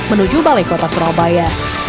menuju balai kota surabaya